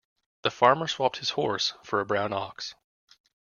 The farmer swapped his horse for a brown ox.